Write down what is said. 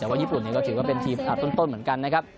แต่ว่าญี่ปุ่นนี้ก็ถือว่าเป็นทีมอัดต้นเหมือนกันนะครับ